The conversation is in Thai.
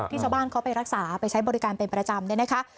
ชาวบ้านเขาไปรักษาไปใช้บริการเป็นประจำเนี่ยนะคะ